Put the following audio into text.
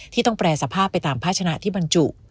ต้องแปรสภาพไปตามภาชนะที่บรรจุ